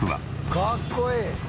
かっこいいね。